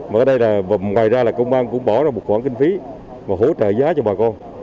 mà ở đây là ngoài ra là công an cũng bỏ ra một khoản kinh phí và hỗ trợ giá cho bà con